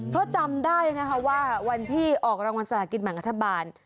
เพราะจำได้ว่าวันที่ออกรางวัลศาลกิจหมายกรรษบาล